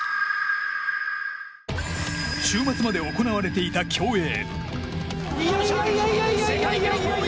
週末まで行われていた競泳。